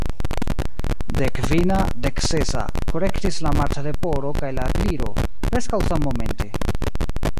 "Dekkvina," "Deksesa," korektis la Martleporo kaj la Gliro, preskaŭ sammomente.